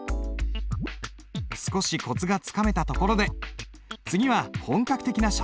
少しコツがつかめたところで次は本格的な写経に挑戦だ。